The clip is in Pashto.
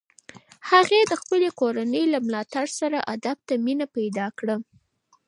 هغې د خپلې کورنۍ له ملاتړ سره ادب ته مینه پیدا کړه.